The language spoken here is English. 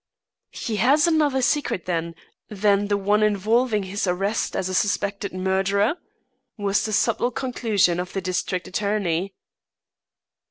"He has another secret, then, than the one involving his arrest as a suspected murderer?" was the subtle conclusion of the district attorney.